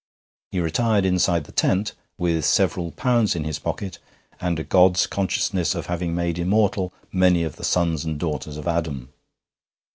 He retired inside the tent with several pounds in his pocket and a god's consciousness of having made immortal many of the sons and daughters of Adam.